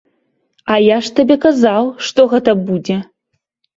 А я ж табе казаў, што гэта будзе.